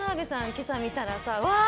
今朝見たらわー！